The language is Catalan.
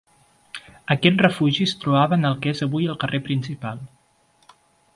Aquest refugi es trobava en el que és avui el carrer principal.